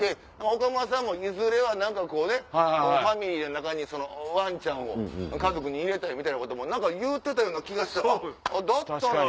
岡村さんもいずれは何かこうねファミリーの中にワンちゃんを家族に入れたいみたいなことも言うてたような気がしてあっだったら！